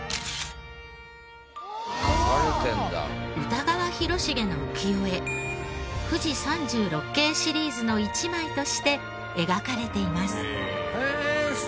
歌川広重の浮世絵『冨士三十六景』シリーズの１枚として描かれています。